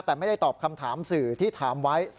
แต่ไม่ได้ตอบคำถามสื่อที่ถามไว้